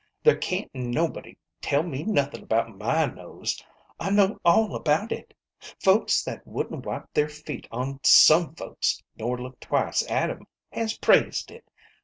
There can't nobody tell me nothin' about my nose \ I know all about it. Folks that wouldn't wipe their feet on some folks, nor look twice at 'em, has praised it.